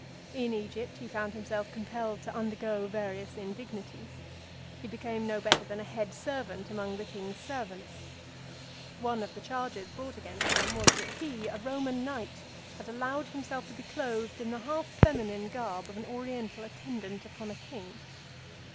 In Egypt he found himself compelled to undergo various in dignities. He became no better than a head servant among the king's servants. One of the charges brought against him was, that he, a Roman knight, had allowed himself to be clothed in the half feminine garb of an Oriental attendant upon a king.